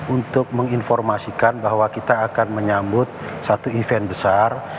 untuk menginformasikan bahwa kita akan menyambut satu event besar